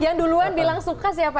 yang duluan bilang suka siapa